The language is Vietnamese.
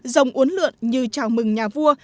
rồng uốn lượn như chào mừng nhà vua